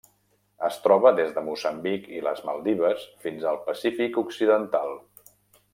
Es troba des de Moçambic i les Maldives fins al Pacífic occidental.